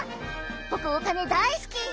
僕お金大好き。